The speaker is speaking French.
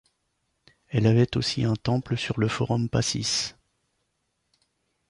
Elle avait aussi un temple sur le Forum Pacis.